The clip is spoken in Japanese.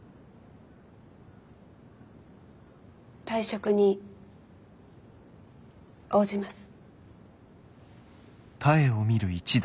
退職に応じます。